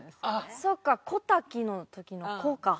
そっか小瀧の時の「小」か。